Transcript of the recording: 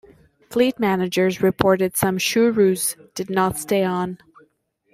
Fleet managers reported some Shu Roos did not stay on.